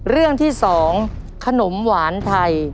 เรื่องที่๒ขนมหวานไทย